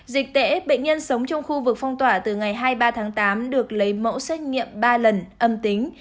dịch tễ bệnh nhân sống trong khu vực phong tỏa từ ngày hai mươi ba tháng tám được lấy mẫu xét nghiệm ba lần âm tính